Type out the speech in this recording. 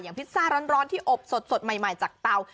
พิซซ่าร้อนที่อบสดใหม่จากเตา